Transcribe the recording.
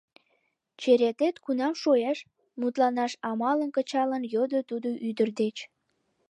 — Черетет кунам шуэш? — мутланаш амалым кычалын, йодо тудо ӱдыр деч.